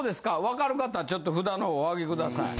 わかる方ちょっと札のほうお上げください。